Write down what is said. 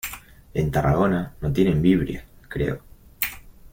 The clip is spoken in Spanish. En Tarragona no tienen Vibria, creo.